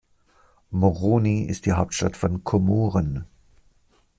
Moroni ist die Hauptstadt von Komoren.